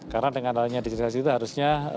karena dengan adanya digitalisasi itu harusnya